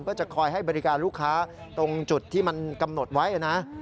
เพื่อจะคอยให้บริการลูกค้าตรงจุดที่มันกำหนดไว้นะ